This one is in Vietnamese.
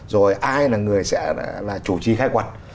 rồi ai là người sẽ là chủ trì khai quật